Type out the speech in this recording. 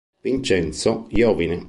Vincenzo Iovine